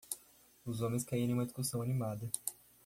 Os homens caíram em uma discussão animada.